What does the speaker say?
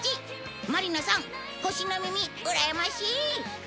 真梨奈さん星の耳うらやましい！